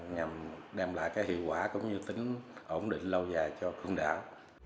nhằm đem lại cái hiệu quả cũng như tính ổn định lâu dài cho con đảo